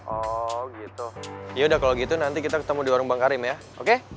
oh gitu yaudah kalau gitu nanti kita ketemu di warung bang karim ya oke